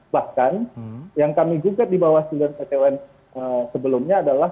bahkan yang kami juga di bawaslu dan pt un sebelumnya adalah